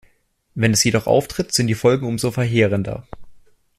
Wenn es jedoch auftritt, sind die Folgen umso verheerender.